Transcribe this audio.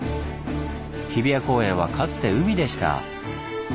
日比谷公園はかつて海でした。